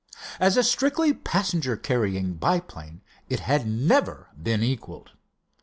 As a strictly passenger carrying biplane it had never been equalled.